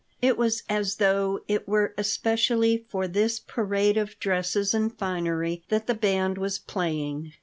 It was as though it were especially for this parade of dresses and finery that the band was playing.